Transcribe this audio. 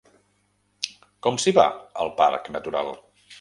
Com s'hi va al Parc Natural?